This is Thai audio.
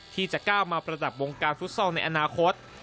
ที่จะก้าวมาประดับวงการฟุตซอลในอนาคต